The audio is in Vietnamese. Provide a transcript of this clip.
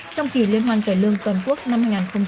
trong kỳ liên hoan cải lương toàn quốc năm hai nghìn một mươi tám